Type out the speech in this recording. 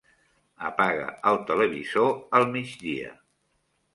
Apaga el televisor al migdia.